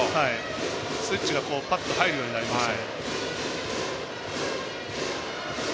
スイッチがパッと入るようになりました。